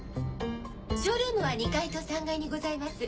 ショールームは２階と３階にございます。